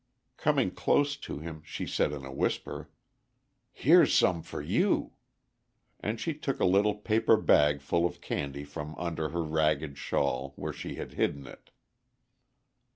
Coming close to him, she said in a whisper, "Here 's some for you!" and she took a little paper bag full of candy from under her ragged shawl where she had hidden it.